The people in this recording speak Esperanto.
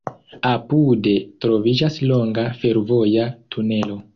Apude troviĝas longa fervoja tunelo.